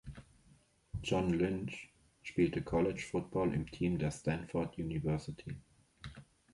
John Lynch spielte College Football im Team der Stanford University.